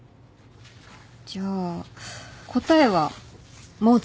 じゃあ答えはモーツァルト？